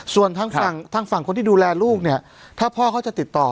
ส่วนทางฝั่งทางฝั่งคนที่ดูแลลูกเนี่ยถ้าพ่อเขาจะติดต่อ